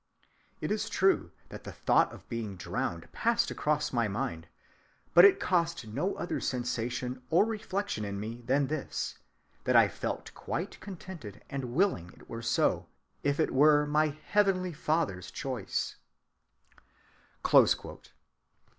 It is true that the thought of being drowned passed across my mind, but it cost no other sensation or reflection in me than this—that I felt quite contented and willing it were so, if it were my heavenly Father's choice."